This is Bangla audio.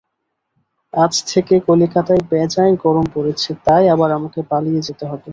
আজ থেকে কলিকাতায় বেজায় গরম পড়েছে, তাই আবার আমাকে পালিয়ে যেতে হবে।